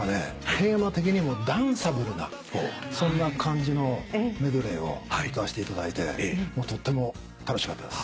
テーマ的にもダンサブルなそんな感じのメドレーを歌わせていただいてとても楽しかったです。